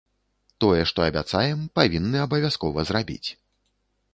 Тое, што абяцаем, павінны абавязкова зрабіць.